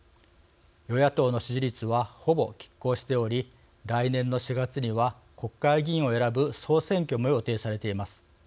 与野党の支持率はほぼきっ抗しており来年の４月には国会議員を選ぶ総選挙も予定されています。